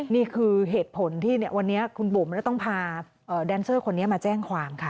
นี่คือเหตุผลที่วันนี้คุณบุ๋มต้องพาแดนเซอร์คนนี้มาแจ้งความค่ะ